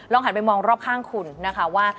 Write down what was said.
หันไปมองรอบข้างคุณนะคะว่า